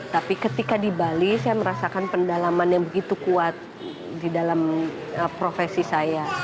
tapi ketika di bali saya merasakan pendalaman yang begitu kuat di dalam profesi saya